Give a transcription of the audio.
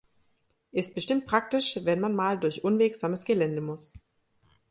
Ist bestimmt praktisch, wenn man mal durch unwegsames Gelände muss!